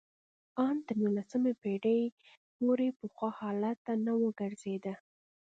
ان تر نولسمې پېړۍ پورې پخوا حالت ته ونه ګرځېده